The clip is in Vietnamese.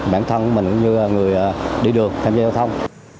bản thân của mình cũng như là người đi đường tham gia giao thông